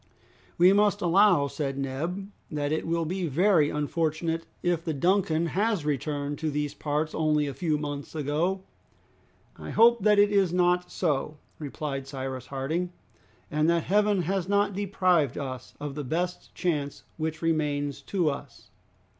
"We must allow," said Neb, "that it will be very unfortunate if the 'Duncan' has returned to these parts only a few months ago!" "I hope that it is not so," replied Cyrus Harding, "and that Heaven has not deprived us of the best chance which remains to us."